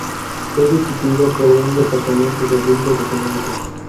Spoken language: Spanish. Fue sustituida por un Departamento de Asuntos Económicos.